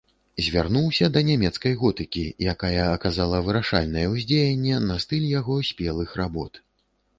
Звярнуўся да нямецкай готыкі, якая аказала вырашальнае ўздзеянне на стыль яго спелых работ.